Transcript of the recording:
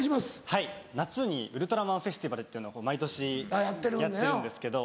はい夏にウルトラマンフェスティバルっていうの毎年やってるんですけど。